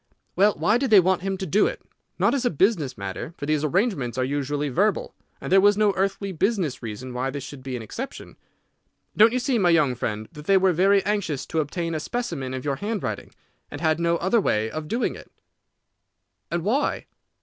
"Well, why did they want him to do it? Not as a business matter, for these arrangements are usually verbal, and there was no earthly business reason why this should be an exception. Don't you see, my young friend, that they were very anxious to obtain a specimen of your handwriting, and had no other way of doing it?" "And why?"